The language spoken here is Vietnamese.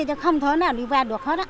chứ không thể nào đi qua được hết á